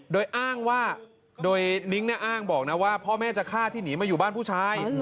โดยอ้างว่าโดยนิ้งอ้างบอกนะว่าพ่อแม่จะฆ่าที่หนีมาอยู่บ้านผู้ชาย